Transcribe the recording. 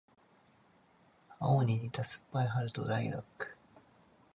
青に似た酸っぱい春とライラック